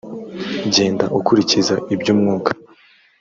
genda ukurikiza iby umwuka